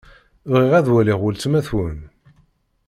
Bɣiɣ ad waliɣ weltma-twen.